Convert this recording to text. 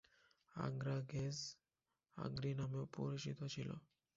আগ্রা গেজ 'আগ্রি' নামেও পরিচিত ছিল।